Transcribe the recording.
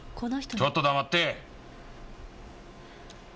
ちょっと黙って！